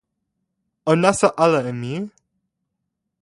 o nasa ala e mi!